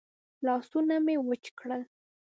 لاسونه مې وچ کړل.